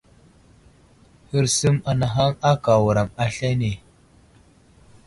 Hərsum anahaŋ aka wuram aslane.